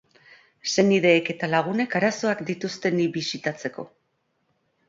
Senideek eta lagunek arazoak dituzte ni bisitatzeko.